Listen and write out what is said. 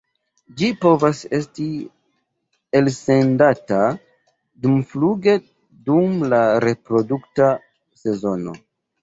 Ĝi povas esti elsendata dumfluge dum la reprodukta sezono.